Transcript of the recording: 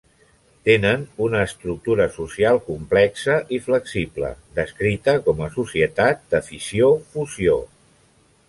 Tenen una estructura social complexa i flexible, descrita com a societat de fissió-fusió.